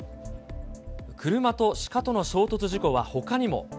車とシカとの衝突事故はほかにも。